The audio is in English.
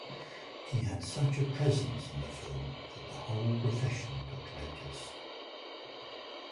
He had such a presence in the film that the whole profession took notice.